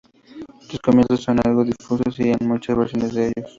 Sus comienzos son algo difusos y hay muchas versiones de ellos.